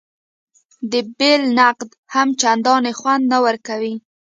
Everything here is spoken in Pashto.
د بل نقد هم چندان خوند نه ورکوي.